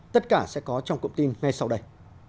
tất cả sẽ có trong cụm tin ngay sau đây